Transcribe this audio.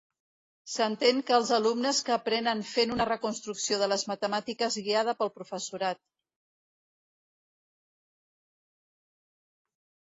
S'entén que els alumnes que aprenen fent una reconstrucció de les matemàtiques guiada pel professorat.